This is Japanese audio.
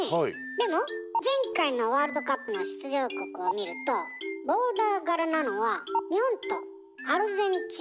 でも前回のワールドカップの出場国を見るとボーダー柄なのは日本とアルゼンチンくらいよね。